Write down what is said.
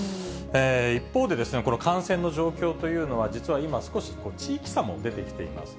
一方で、感染の状況というのは、実は今、少し地域差も出てきています。